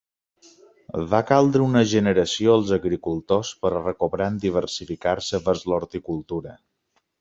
Va caldre una generació als agricultors per a recobrar en diversificar-se vers l'horticultura.